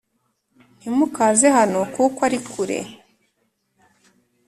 ntimukaze hano kuko ari kure